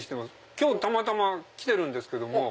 今日たまたま来てるんですけど。